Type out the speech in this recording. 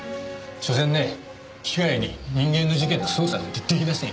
しょせんね機械に人間の事件の捜査なんて出来ませんよ。